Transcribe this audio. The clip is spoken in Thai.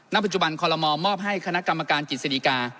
ณปัจจุบันคลมมอบให้คณะกรรมการกิจศิริกา